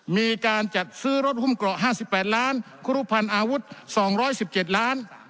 มีการจัดซื้อรถหุ้มเกราะ๕๘ล้านครูพันธ์อาวุธ๒๑๗ล้าน